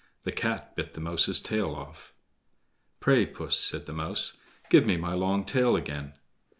The Cat bit the Mouse's tail off. "Pray, puss," said the Mouse, "give me my long tail again."